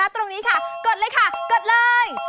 ตรงนี้ค่ะกดเลยค่ะกดเลย